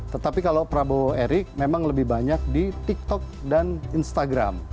tetapi kalau prabowo erik memang lebih banyak di tiktok dan instagram